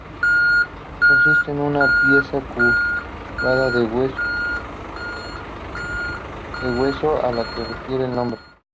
Consiste en una pieza curvada de hueso, a la que refiere el nombre.